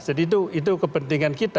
jadi itu kepentingan kita